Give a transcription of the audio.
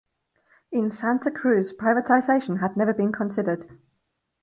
In Santa Cruz privatization had never been considered.